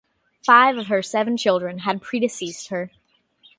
Five of her seven children had predeceased her.